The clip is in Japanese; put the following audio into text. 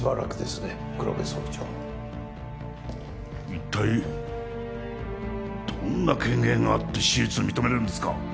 一体どんな権限があって手術を認めるんですか？